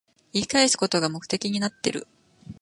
言い返すことが目的になってる